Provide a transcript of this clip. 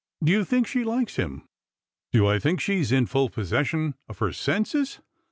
" Do you think she likes him ?"" Do I think she is in full possession of her senses ?"'